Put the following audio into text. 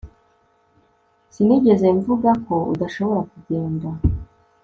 Sinigeze mvuga ko udashobora kugenda